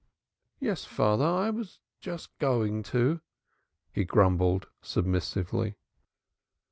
"Yes, father, I was just going to," he grumbled, submissively.